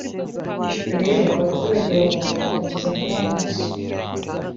bityo rero abaturage bagomba gukomeza kuba maso